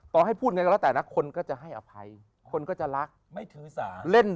ให้พูดไงก็แล้วแต่นะคนก็จะให้อภัยคนก็จะรักไม่ถือสาเล่น